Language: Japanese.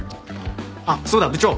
あっそうだ部長。